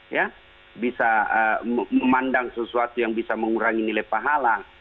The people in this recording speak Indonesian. ya bisa memandang sesuatu yang bisa mengurangi nilai pahala